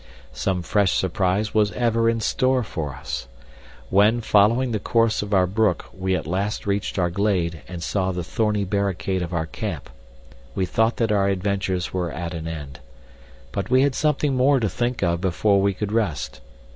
Some fresh surprise was ever in store for us. When, following the course of our brook, we at last reached our glade and saw the thorny barricade of our camp, we thought that our adventures were at an end. But we had something more to think of before we could rest.